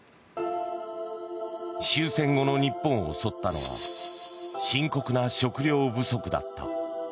終戦後の日本を襲ったのは深刻な食糧不足だった。